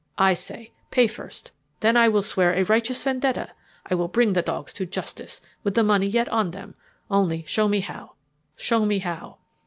I say, pay first, then I will swear a righteous vendetta I will bring the dogs to justice with the money yet on them. Only show me how, show me how."